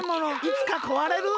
いつかこわれる。